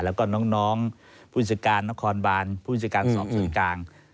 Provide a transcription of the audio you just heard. แล้วก็น้องผู้อินสิการนครบานผู้อินสิการสอบสรรค์กลาง